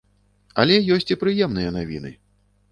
Але ёсць і прыемныя навіны.